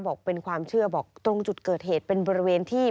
บอกเป็นความเชื่อบอกตรงจุดเกิดเหตุเป็นบริเวณที่